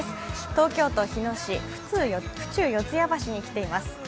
東京都日野市府中四谷橋に来ています。